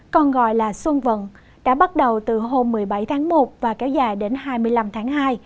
còn gọi là xuân vận đã bắt đầu từ hôm một mươi bảy tháng một và kéo dài đến hai mươi năm tháng hai